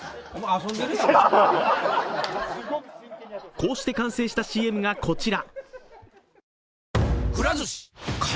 こうして完成したＣＭがこちら。